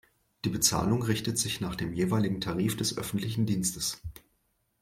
Die Bezahlung richtet sich nach dem jeweiligen Tarif des öffentlichen Dienstes.